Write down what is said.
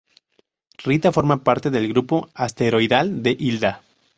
Rita forma parte del grupo asteroidal de Hilda.